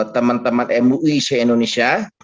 teman teman mui se indonesia